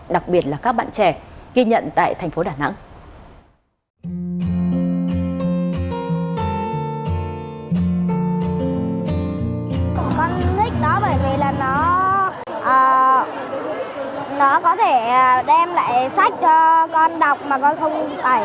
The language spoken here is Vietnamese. đặc biệt là các bạn trẻ ghi nhận tại thành phố đà nẵng